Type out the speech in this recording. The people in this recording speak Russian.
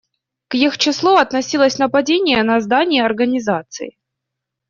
К их числу относилось нападение на здание Организации.